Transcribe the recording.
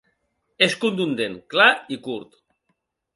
És contundent, clar i curt.